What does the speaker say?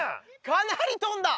かなり飛んだ！